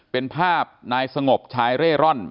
เป็นภาพนายสงบชายเร่ร่อน